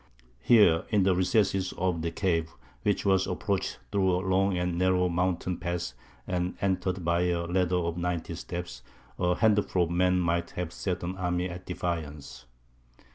Here, in the recesses of the cave, which was approached through a long and narrow mountain pass, and entered by a ladder of ninety steps, a handful of men might have set an army at defiance.